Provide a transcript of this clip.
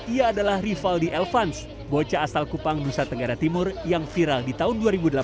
ia adalah rivaldi elvans bocah asal kupang nusa tenggara timur yang viral di tahun dua ribu delapan belas